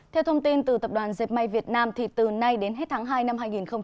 theo thông tin từ tập đoàn dệt may việt nam từ nay đến hết tháng hai năm hai nghìn hai mươi